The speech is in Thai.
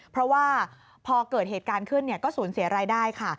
เพราะว่าพอเกิดเหตุการณ์ขึ้นก็สูญเสียรายได้ค่ะ